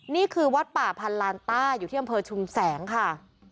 นี่คือวัดป่าพันลานต้าอยู่ที่อำเภอชุมแสงค่ะ